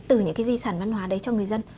từ những cái di sản văn hóa đấy cho người dân